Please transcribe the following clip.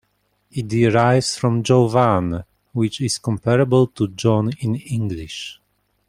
It derives from "Jovan", which is comparable to John in English.